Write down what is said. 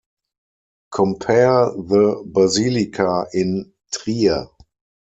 Compare the Basilica in Trier.